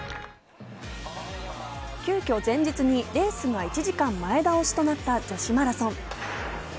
急きょ前日にレースが１時間、前倒しとなった女子マラソン。